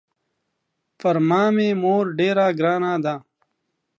پر ما مې مور ډېره ګرانه ده.